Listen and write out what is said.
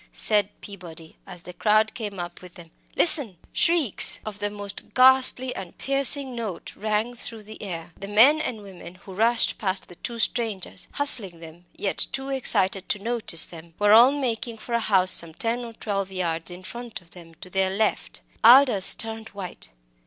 said Peabody, as the crowd came up with them. "Listen!" Shrieks of the most ghastly and piercing note, rang through the air. The men and women who rushed past the two strangers hustling them, yet too excited to notice them were all making for a house some ten or twelve yards in front of them, to their left. Aldous had turned white.